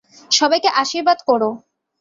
সবাইকে আশীর্বাদ কোরো।